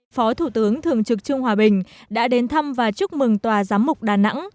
phó thủ tướng thường trực trương hòa bình đã đến thăm và chúc mừng tòa giám mục đà nẵng